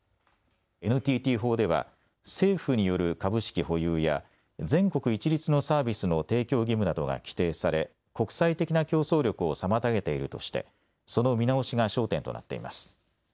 ＮＴＴ法では政府による株式保有や全国一律のサービスの提供義務などが規定され国際的な競争力を妨げているとして、その見直しが焦点となっています。